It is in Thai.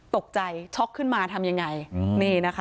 ตกใจช็อกขึ้นมาทำยังไง